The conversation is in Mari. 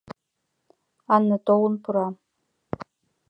Ана толын пура.